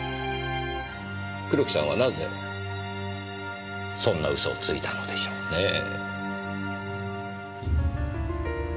黒木さんはなぜそんな嘘をついたのでしょうねぇ？